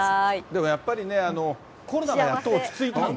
でもやっぱりね、コロナがやっと落ち着いたんで。